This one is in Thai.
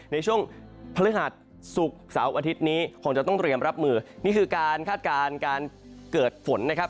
ในช่วงพฤหัสศุกร์เสาร์อาทิตย์นี้คงจะต้องเตรียมรับมือนี่คือการคาดการณ์การเกิดฝนนะครับ